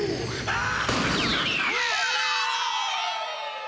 ああ！